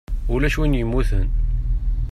Ulac win yemmuten.